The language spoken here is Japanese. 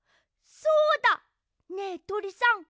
そうだ！ねえとりさん。